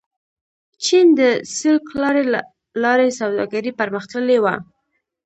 چین د سیلک لارې له لارې سوداګري پرمختللې وه.